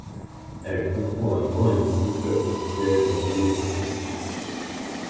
Elle comprend un grand hémicycle aux sièges rouge foncé.